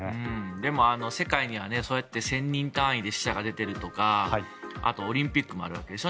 でも、世界にはそうやって１０００人単位で死者が出ているとかあと、オリンピックもあるわけでしょ。